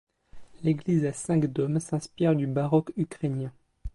L'église à cinq dômes s'inspire du baroque ukrainien.